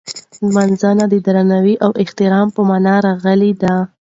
نمځنه د درناوي او احترام په مانا راغلې ده.